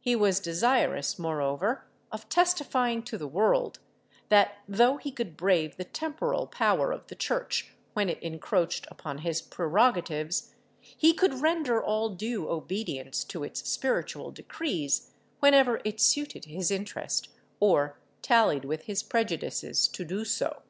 He was desirous, moreover, of testifying to the world, that though he could brave the temporal power of the Church when it encroached upon his prerogatives, he could render all due obedience to its spiritual decrees whenever it suited his interest or tallied with his prejudices to do so.